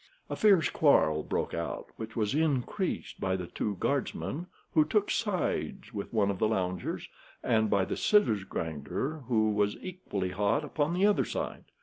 A fierce quarrel broke out which was increased by the two guardsmen, who took sides with one of the loungers, and by the scissors grinder, who was equally hot upon the other side.